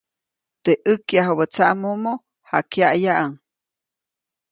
Teʼ ʼäjkyajubä tsaʼmomo, jakyaʼyaʼuŋ.